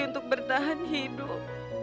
untuk bertahan hidup